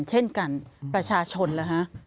เช่นกันประชาชนล่ะ